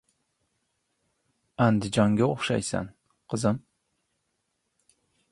Andijonga o‘xshaysan, qizim.